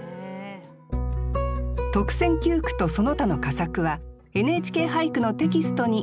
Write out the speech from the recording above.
特選九句とその他の佳作は「ＮＨＫ俳句」のテキストに掲載されます。